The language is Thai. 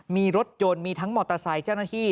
มีรถยนต์มีทั้งมอเตอร์ไซค์เจ้าหน้าที่